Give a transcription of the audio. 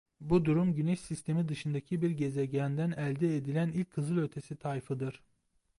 Bu durum Güneş Sistemi dışındaki bir gezegenden elde edilen ilk kızılötesi tayfıdır.